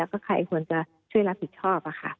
ก็ใครควรจะช่วยรับผิดชอบ